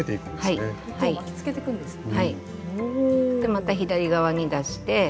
また左側に出して。